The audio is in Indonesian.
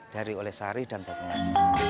dari oleh sari dan bapengan